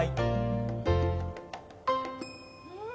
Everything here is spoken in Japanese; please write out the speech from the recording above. うん。